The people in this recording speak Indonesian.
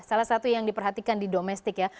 salah satu yang diperhatikan di domestik ya